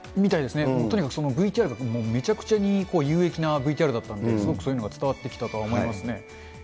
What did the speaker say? とにかくＶＴＲ、めちゃくちゃに有益なＶＴＲだったんで、すごく伝わってきたかなとは思いますね。